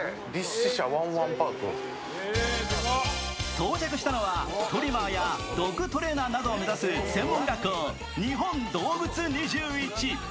到着したのはトリマーやドッグトレーナーなどを目指す専門学校、日本動物２１。